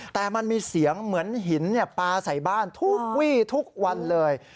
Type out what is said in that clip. แต่มันมีเสียงเหมือนหินปลาใส่บ้านทุกวี่ทุกวันเลย